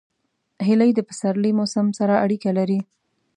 هیلۍ د پسرلي موسم سره اړیکه لري